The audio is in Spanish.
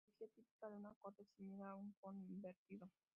La morfología típica de una corta es similar a un cono invertido.